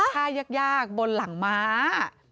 ท่ายากบนหลังม้า